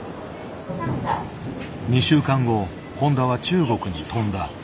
２週間後誉田は中国に飛んだ。